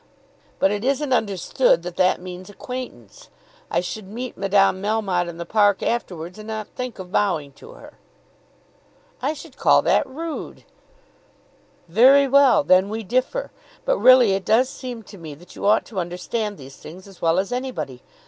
But it isn't understood that that means acquaintance. I should meet Madame Melmotte in the park afterwards and not think of bowing to her." "I should call that rude." "Very well. Then we differ. But really it does seem to me that you ought to understand these things as well as anybody.